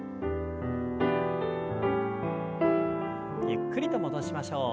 ゆっくりと戻しましょう。